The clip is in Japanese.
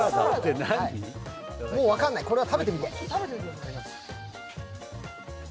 もう分かんない、これは食べてみて。